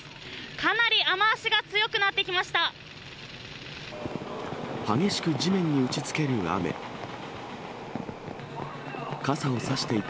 かなり雨足が強くなってきました。